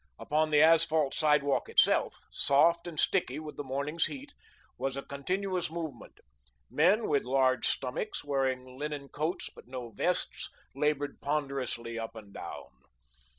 Upon the asphalt sidewalk itself, soft and sticky with the morning's heat, was a continuous movement. Men with large stomachs, wearing linen coats but no vests, laboured ponderously up and down.